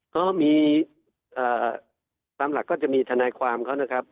ก็มีตามหลักก็จะมีทนายความเขานะครับ